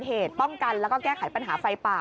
เหตุป้องกันแล้วก็แก้ไขปัญหาไฟป่า